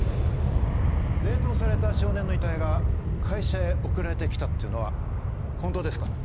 冷凍された少年の遺体が会社へ送られてきたというのは本当ですか？